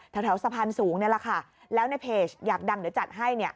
แถวสะพานสูงนี่แหละค่ะแล้วในเพจอยากดังเดี๋ยวจัดให้